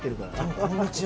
こんにちは。